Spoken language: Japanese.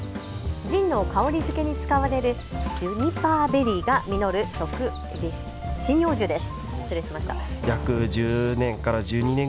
ジンの香りづけに使われるジュニパーベリーが実る針葉樹です。